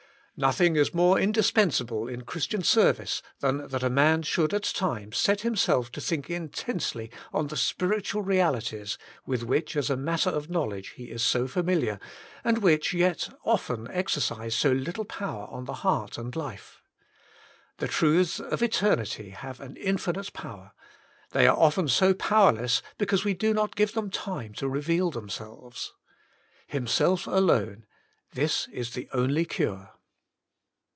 !N"oth ing is more indispensable in Christian service than that a man should at times set himself Himself Alone 153 to tliink intensely on the spiritual realities with which as a matter of knowledge he is so familiar, and which yet often exercise so little power on the heart and life. The truths of eternity have an infinite power; they are often so powerless be cause we do not give them time to reveal themselves. Himself alone — this is the only cure.